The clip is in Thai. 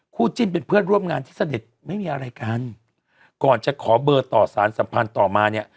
จิ้นเป็นเพื่อนร่วมงานที่เสด็จไม่มีอะไรกันก่อนจะขอเบอร์ต่อสารสัมพันธ์ต่อมาเนี่ย